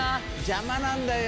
邪魔なんだよ